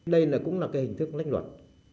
đây cũng là cái hình thức lách luật